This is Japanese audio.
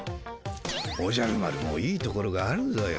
おじゃる丸もいいところがあるぞよ。